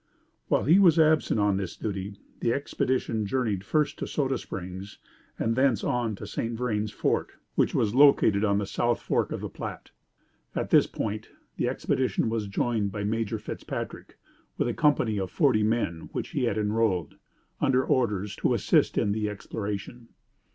While he was absent on this duty, the expedition journeyed first to Soda Springs and thence on to St. Vrain's Fort, which was located on the South Fork of the Platte. At this point, the expedition was joined by Major Fitzpatrick with a command of forty men which he had enrolled, under orders, to assist in the exploration.